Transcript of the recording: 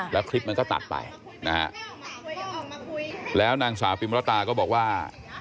แล้วคลิปมันก็ตัดไปนะฮะแล้วนางสาวปิมรตาก็บอกว่า